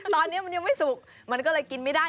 ตอนนี้มันยังไม่สุกมันก็เลยกินไม่ได้